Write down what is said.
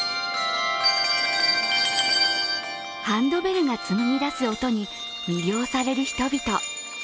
ハンドベルが紡ぎ出す音に魅了される人々。